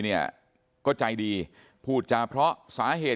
จังหวะนั้นได้ยินเสียงปืนรัวขึ้นหลายนัดเลย